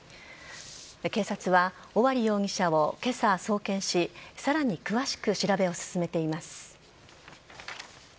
警察は尾張容疑者を今朝送検しさらに詳しく調べを進めています。